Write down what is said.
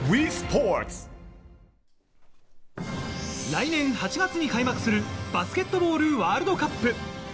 来年８月に開幕するバスケットボールワールドカップ。